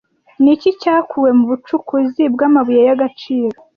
Ni iki cyakuwe mu bucukuzi bw'amabuye y'agaciro